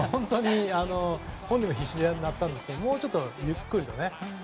本人は必死でしたけどもうちょっとゆっくりとね。